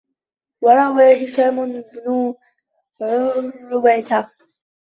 وَرَوَى هِشَامُ بْنُ عُرْوَةَ